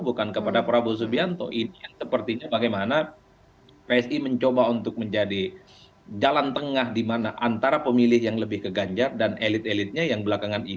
bukan kepada prabowo subianto ini yang sepertinya bagaimana psi mencoba untuk menjadi jalan tengah di mana antara pemilih yang lebih ke ganjar dan elit elitnya yang belakangan ini